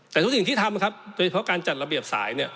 แต่ทุกสิ่งที่ทำครับโดยเฉพาะการจัดระเบียบสายเนี่ย